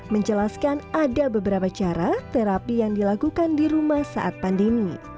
menjelaskan ada beberapa cara terapi yang dilakukan di rumah saat pandemi